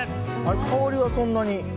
香りはそんなに。